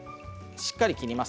しっかり切ります。